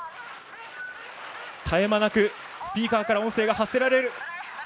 絶え間なくスピーカーから音声が発せられる。